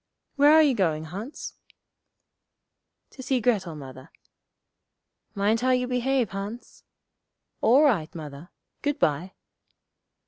'Where are you going, Hans?' 'To see Grettel, Mother.' 'Mind how you behave, Hans.' 'All right, Mother. Good bye.'